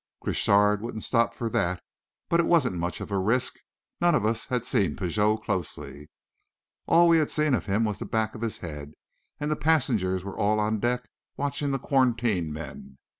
"Crochard wouldn't stop for that. But it wasn't much of a risk. None of us had seen Pigot closely; all we had seen of him was the back of his head; and the passengers were all on deck watching the quarantine men.